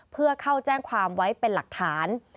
เพื่อเข้าแจ้งความไว้เป็นหลักฐาน